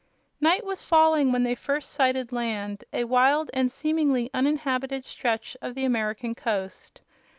Night was falling when they first sighted land; a wild and seemingly uninhabited stretch of the American coast.